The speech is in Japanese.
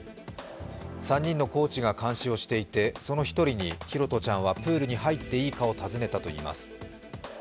３人のコーチが監視をしていて、その１人に、拓杜ちゃんはプールに入っていいかを尋ねたといいます。